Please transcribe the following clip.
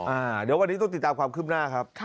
อ่าเดี๋ยววันนี้ต้องติดตามความคืบหน้าครับ